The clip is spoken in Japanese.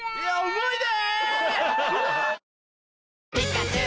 思い出！